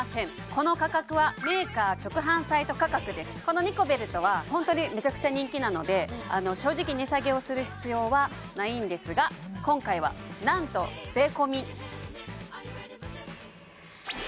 この価格はこのニコベルトはホントにめちゃくちゃ人気なので正直値下げをする必要はないんですが今回は何と税込ああ！